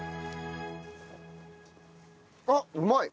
あっうまい。